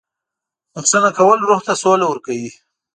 • بښنه کول روح ته سوله ورکوي.